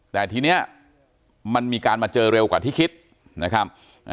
แต่ทีนี้มันมีการมาเจอเร็วกว่าที่คิดนะครับ